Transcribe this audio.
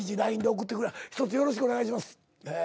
一つよろしくお願いします。